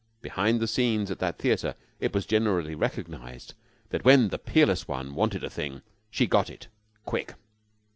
Behind the scenes at that theater, it was generally recognized that when the Peerless One wanted a thing, she got it quick.